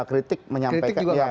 kritik juga apa apa